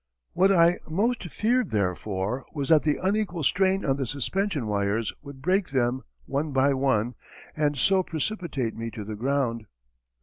What I most feared therefore was that the unequal strain on the suspension wires would break them one by one and so precipitate me to the ground.